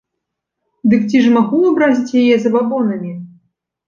Дык ці ж магу абразіць яе забабонамі?